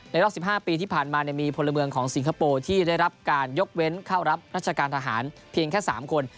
รอบ๑๕ปีที่ผ่านมามีพลเมืองของสิงคโปร์ที่ได้รับการยกเว้นเข้ารับราชการทหารเพียงแค่๓คน